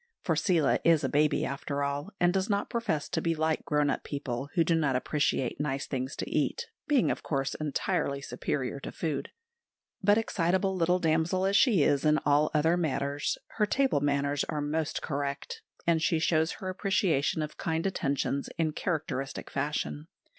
For Seela is a baby after all, and does not profess to be like grown up people who do not appreciate nice things to eat, being, of course, entirely superior to food; but, excitable little damsel as she is in all other matters, her table manners are most correct, and she shows her appreciation of kind attentions in characteristic fashion.